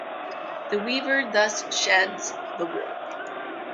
The weaver thus sheds the warp.